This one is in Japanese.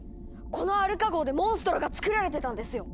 このアルカ号でモンストロがつくられてたんですよ！